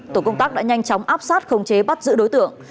tổ công tác đã nhanh chóng áp sát không chế bắt giữ đối tượng